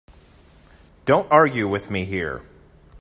Don't argue with me here.